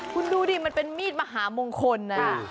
คุณดูดิมันเป็นมีดมหามงคลนะ